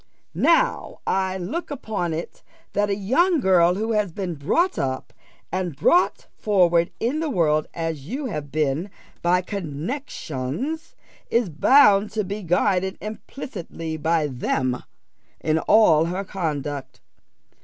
"Now I look upon it that a young girl who has been brought up, and brought forward in the world as you have been by connexions, is bound to be guided implicitly by them in all her conduct.